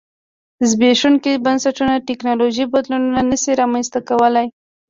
زبېښونکي بنسټونه ټکنالوژیکي بدلونونه نه شي رامنځته کولای.